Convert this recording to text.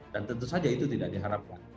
dan tentu saja itu tidak diharapkan